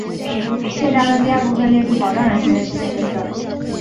宪章的第二部分列出保障人权的基本原则。